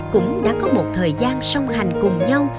cũng đã có một thời gian song hành cùng nhau